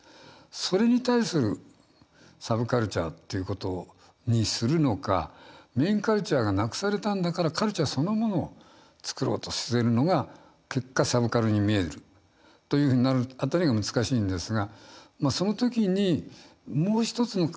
それに対するサブカルチャーっていうことにするのかメインカルチャーがなくされたんだからカルチャーそのものを作ろうとしてるのが結果サブカルに見えるというふうになる辺りが難しいんですがその時に嫌いじゃないのね。